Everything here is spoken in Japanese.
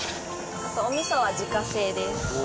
あと、おみそは自家製です。